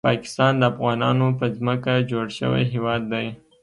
پاکستان د افغانانو په ځمکه جوړ شوی هیواد دی